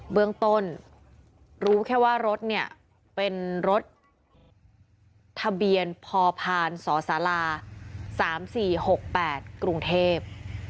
เบื้องต้นรู้แค่ว่ารถเนี่ยเป็นรถทะเบียนพพศ๓๔๖๘กรุงเทพ